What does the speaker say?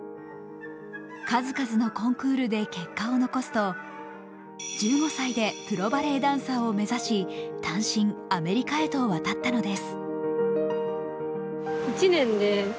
数々のコンクールで結果を残すと、１５歳でプロバレエダンサーを目指し単身、アメリカへと渡ったのです。